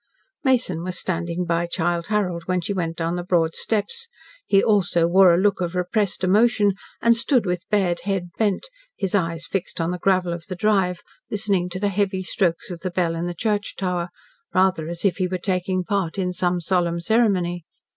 Mason was standing by Childe Harold when she went down the broad steps. He also wore a look of repressed emotion, and stood with bared head bent, his eyes fixed on the gravel of the drive, listening to the heavy strokes of the bell in the church tower, rather as if he were taking part in some solemn ceremony.